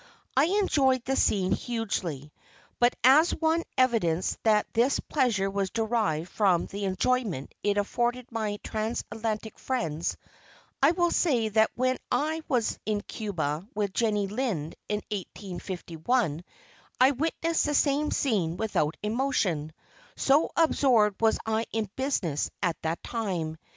I enjoyed the scene hugely; but as one evidence that this pleasure was derived from the enjoyment it afforded my trans Atlantic friends, I will say that when I was in Cuba with Jenny Lind in 1851, I witnessed the same scene without emotion, so absorbed was I in business at that time.